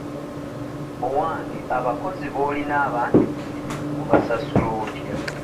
Owange abakozi b'olina abangi ku nnimiro obasasula otya?